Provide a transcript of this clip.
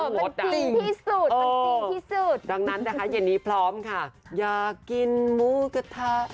มันจริงที่สุด